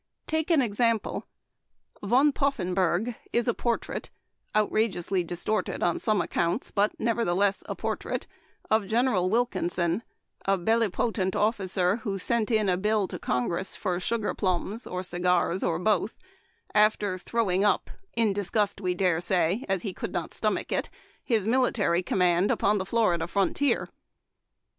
Take an example :' Von Poffenburg ' is a portrait — outrageously distorted on some accounts, but, nevertheless, a portrait — of General Wilkinson, a 'bellipotent' officer who sent in a bill to Con gress for sugar plums, or cigars, or both, after I throwing up '— in disgust, we dare say, as ' he could not stomach it' — his military command 140 Memoir of Washington Irving. upon the Florida frontier.